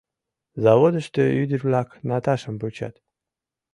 «Заводышто ӱдыр-влак Наташам вучат.